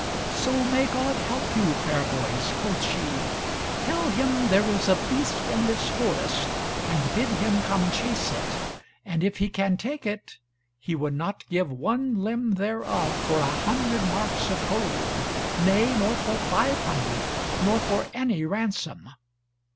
"So may God help you, fair boys," quoth she, "tell him there is a beast in this forest, and bid him come chase it, and if he can take it, he would not give one limb thereof for a hundred marks of gold, nay, nor for five hundred, nor for any ransom."